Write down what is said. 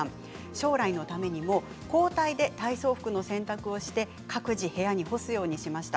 将来のためにも交代で体操服の洗濯をして各自、部屋に干すようにしました。